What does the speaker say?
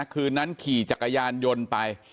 คืนนั้นขี่จักรยานยนต์ไป